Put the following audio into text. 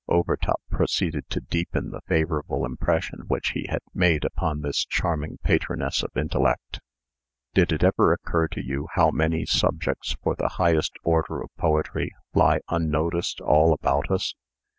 Overtop proceeded to deepen the favorable impression which he had made upon this charming patroness of intellect. "Did it ever occur to you how many subjects for the highest order of poetry lie unnoticed all about us?